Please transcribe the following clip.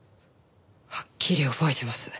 はっきり覚えてます。